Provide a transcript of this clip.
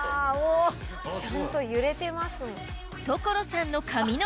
ちゃんと揺れてます。